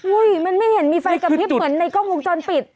มันไม่เห็นมีไฟกระพริบเหมือนในกล้องวงจรปิด